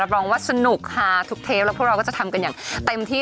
รองว่าสนุกฮาทุกเทปแล้วพวกเราก็จะทำกันอย่างเต็มที่